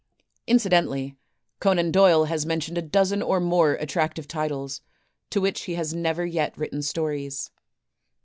Incidentally, Conan Doyle has mentioned a dozen or more attractive titles, to which he has never yet written stories.